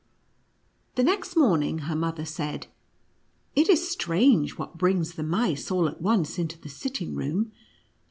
The next morning:, her mother said :" It is strange what brings the mice all at once into the sitting room.